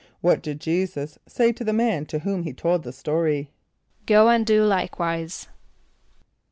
= What did J[=e]´[s+]us say to the man to whom he told the story? ="Go and do likewise."